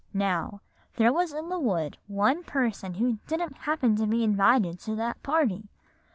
"Now, there was in the wood one person who didn't happen to be invited to that party.